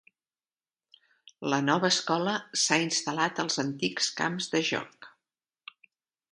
La nova escola s'ha instal·lat als antics camps de joc.